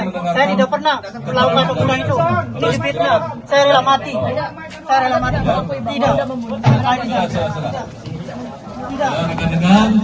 mas peggy diperiksa apa aja kemarin